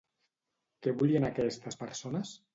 Què volien aquestes persones?